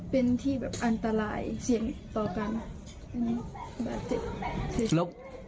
เป็นที่แบบอันตรายเสียงต่อกัน